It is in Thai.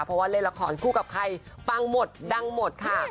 เพราะว่าเล่นละครคู่กับใครปังหมดดังหมดค่ะ